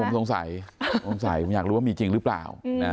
ไม่ได้แซวผมสงสัยผมอยากรู้ว่ามีจริงหรือเปล่า